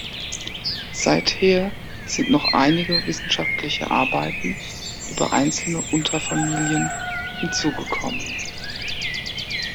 Seither sind noch einige wissenschaftliche Arbeiten über einzelne Unterfamilien hinzugekommen.